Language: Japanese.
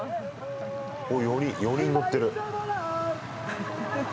おっ、４人、乗ってる。